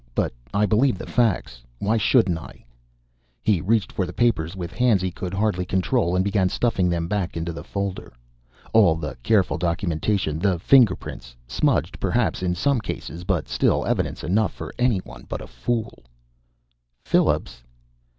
But I believe the facts. Why shouldn't I?" He reached for the papers with hands he could hardly control and began stuffing them back into the folder. All the careful documentation, the fingerprints smudged, perhaps, in some cases, but still evidence enough for anyone but a fool "Phillips?"